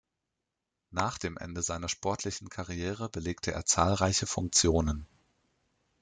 Nach dem Ende seiner sportlichen Karriere belegte er zahlreiche Funktionen.